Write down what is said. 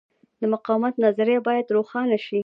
د مقاومت نظریه باید روښانه شي.